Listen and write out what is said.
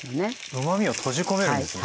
うまみを閉じ込めるんですね。